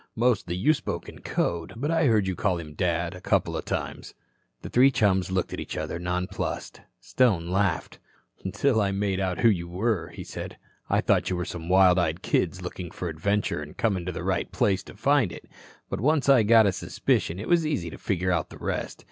Mostly you spoke in code, but I heard you call him 'Dad' a couple of times." The three chums looked at each other, nonplussed. Stone laughed. "Until I made out who you were," he said, "I thought you were some wild eyed kids looking for adventure an' comin' to the right place to find it. But once I got a suspicion, it was easy to figure out the rest.